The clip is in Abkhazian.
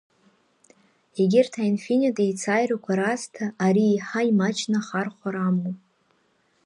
Егьырҭ аинфиниттә еицааирақәа раасҭа ари еиҳа имаҷны ахархәара амоуп.